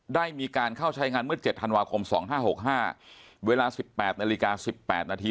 ได้มีการเข้าใช้งานเมื่อ๗ธันวาคม๒๕๖๕เวลา๑๘นาฬิกา๑๘นาที